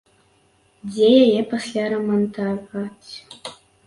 Дзе яе пасля рамантаваць?